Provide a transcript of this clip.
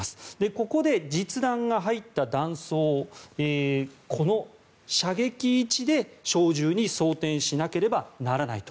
ここで実弾が入った弾倉この射撃位置で小銃に装てんしなければならないと。